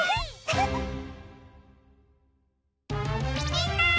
みんな！